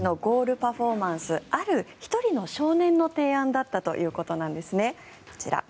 パフォーマンスある１人の少年の提案だったということなんですね。